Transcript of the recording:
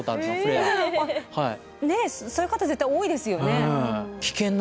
ねえそういう方絶対多いですよね。